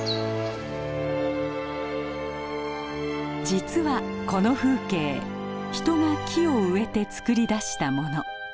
実はこの風景人が木を植えてつくり出したもの。